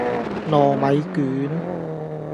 糯米卷